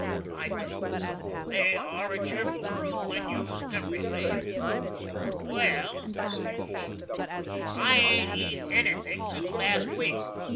"I do. They are a cheerful fruit when used tempritly." "Well," said he, "I hadn't eat anything since last week.